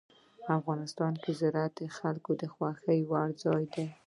افغانستان کې زراعت د خلکو د خوښې وړ ځای دی.